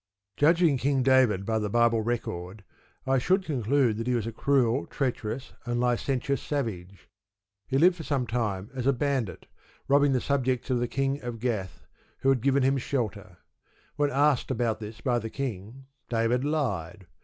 Judging King David by the Bible record, I should conclude that he was a cruel, treacherous, and licentious savage. He lived for some time as a bandit, robbing the subjects of the King of Gath, who had given him shelter. When asked about this by the king, David lied.